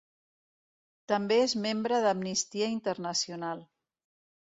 També és membre d'Amnistia Internacional.